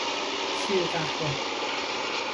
شیر قهوه